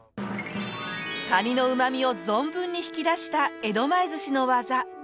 カニのうまみを存分に引き出した江戸前寿司の技。